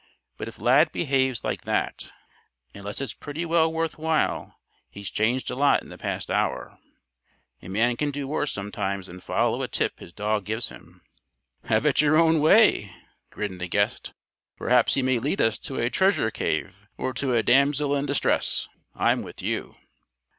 "But if Lad behaves like that, unless it's pretty well worth while, he's changed a lot in the past hour. A man can do worse sometimes than follow a tip his dog gives him." "Have it your own way," grinned the guest. "Perhaps he may lead us to a treasure cave or to a damsel in distress. I'm with you."